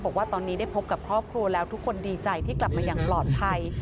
บอกว่าตอนนี้ได้พบกับครอบครัวแล้วทุกคนดีใจที่กลับมาอย่างปลอดภัย